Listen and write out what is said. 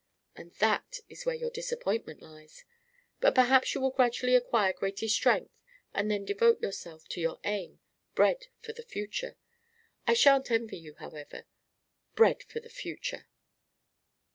"And that is where your disappointment lies. But perhaps you will gradually acquire greater strength and then devote yourself to your aim: bread for the future. I sha'n't envy you, however: bread for the Future!..."